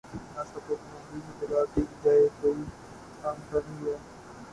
NASA پر پابندی لگا دی جاۓ کوئی کام کا نہیں ہے